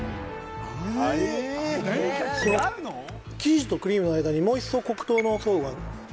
この生地とクリームの間にもう一層黒糖の層があるよね？